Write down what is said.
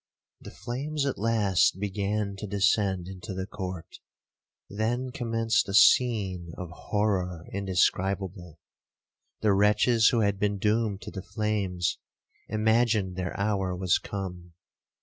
'The flames at last began to descend into the court. Then commenced a scene of horror indescribable. The wretches who had been doomed to the flames, imagined their hour was come.